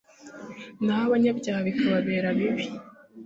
naho abanyabyaha bikababera bibi